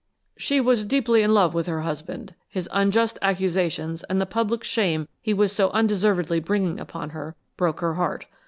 "She was deeply in love with her husband. His unjust accusations and the public shame he was so undeservedly bringing upon her broke her heart.